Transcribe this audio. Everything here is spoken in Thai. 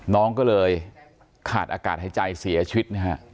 น้องก็เลยขาดอากาศหายใจเสียชีวิตนะฮะ